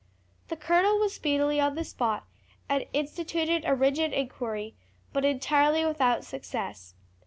The colonel was speedily on the spot, and instituted a rigid inquiry, but entirely without success.